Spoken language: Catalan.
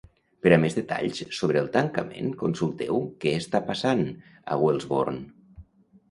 Per a més detalls sobre el tancament, consulteu Què està passant a Wellesbourne?